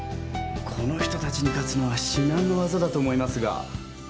この人たちに勝つのは至難の業だと思いますが。